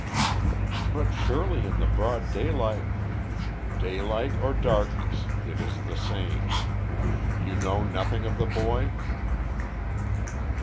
"But surely in the broad daylight " "Daylight or darkness, it is the same. You know nothing of the boy?"